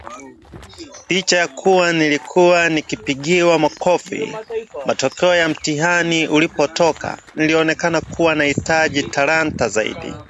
Licha ya kuwa nilikuwa nikipigiwa makofi matokea ya mtihani ulipotoka, nilionelea kuwa nahitaji talanta zaidi